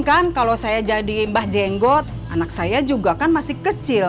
kan kalau saya jadi mbah jenggot anak saya juga kan masih kecil